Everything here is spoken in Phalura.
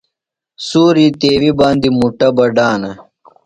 سُوری تیویۡ باندیۡ مُٹہ بڈانہ۔